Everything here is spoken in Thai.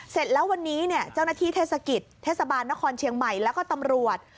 เสร็จแล้ววันนี้เนี่ยเจ้าหน้าที่เทศกิจเทศบาลนครเชียงใหม่แล้วก็ตำรวจ